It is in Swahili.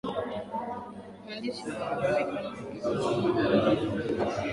Maandishi hayo yalionekana yakiwa na umri mrefu